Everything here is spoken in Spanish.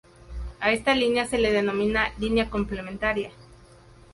A esta línea se la denomina línea complementaria.